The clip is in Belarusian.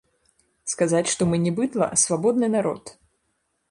Сказаць, што мы не быдла, а свабодны народ.